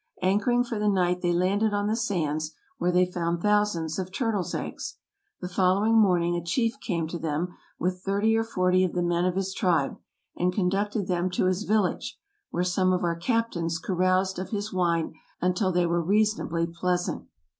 Anchoring for the night they landed on the sands, where they found thousands of turtles' eggs. The following morning a chief came to them with thirty or forty of the men of his tribe, and conducted them to his village, " where some of our captains caroused of his wine until they were reasonably pleasant."